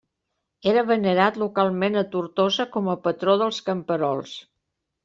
Era venerat localment a Tortosa com a patró dels camperols.